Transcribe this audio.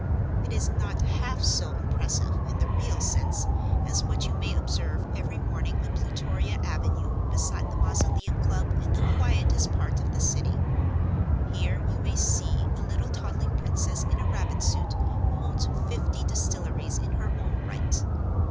It is not half so impressive, in the real sense, as what you may observe every morning on Plutoria Avenue beside the Mausoleum Club in the quietest part of the city. Here you may see a little toddling princess in a rabbit suit who owns fifty distilleries in her own right.